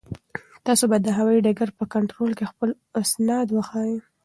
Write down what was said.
تاسو باید د هوایي ډګر په کنټرول کې خپل اسناد وښایئ.